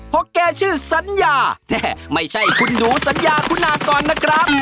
เพราะแกชื่อสัญญาไม่ใช่คุณหนูสัญญาคุณากรนะครับ